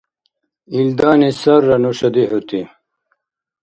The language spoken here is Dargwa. Илдани сарра нуша дихӏути!